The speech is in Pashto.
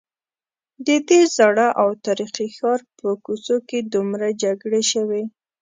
ددې زاړه او تاریخي ښار په کوڅو کې دومره جګړې شوي.